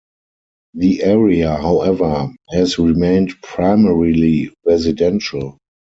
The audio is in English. The area, however, has remained primarily residential.